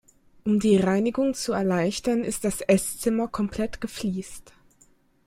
Um die Reinigung zu erleichtern, ist das Esszimmer komplett gefliest.